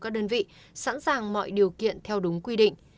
các đơn vị sẵn sàng mọi điều kiện theo đúng quy định